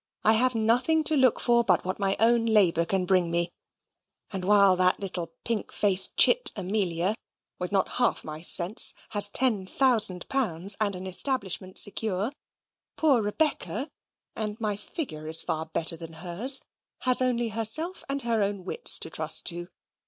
"I have nothing to look for but what my own labour can bring me; and while that little pink faced chit Amelia, with not half my sense, has ten thousand pounds and an establishment secure, poor Rebecca (and my figure is far better than hers) has only herself and her own wits to trust to.